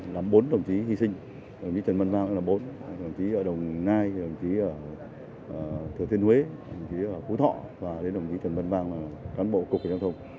làm bốn đồng chí hy sinh đồng chí trần văn vang là bốn đồng chí ở đồng nai đồng chí ở thừa thiên huế đồng chí ở phú thọ và đồng chí trần văn vang là cán bộ cục giao thông